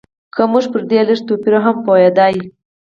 که موږ پر دې لږ توپیر هم پوهېدای.